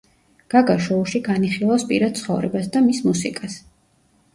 გაგა შოუში განიხილავს პირად ცხოვრებას და მის მუსიკას.